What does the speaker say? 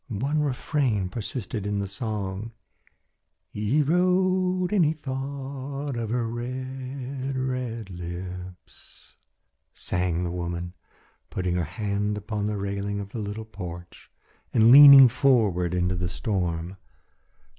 One refrain persisted in the song "He rode and he thought of her red, red lips," sang the woman, putting her hand upon the railing of the little porch and leaning forward into the storm.